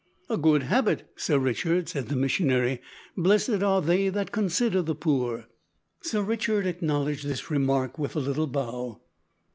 "A good habit, Sir Richard," said the missionary. "`Blessed are they that consider the poor.'" Sir Richard acknowledged this remark with a little bow.